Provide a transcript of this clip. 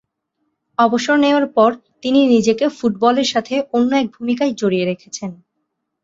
অবসর নেওয়ার পর তিনি নিজেকে ফুটবলের সাথে অন্য এক ভূমিকায় জড়িয়ে রেখেছেন।